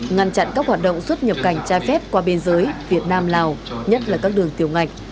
ngăn chặn các hoạt động xuất nhập cảnh trai phép qua biên giới việt nam lào nhất là các đường tiểu ngạch